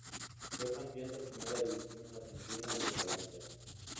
Fue campeón de Primera División en Argentina y en Colombia.